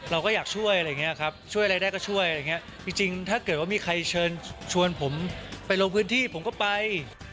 เราก็อยากช่วยอะไรอย่างเงี้ยครับช่วยอะไรได้ก็ช่วยอะไรอย่างเงี้ยจริงถ้าเกิดว่ามีใครเชิญชวนผมไปลงพื้นที่ผมก็ไป